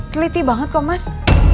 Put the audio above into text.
teliti banget kok mas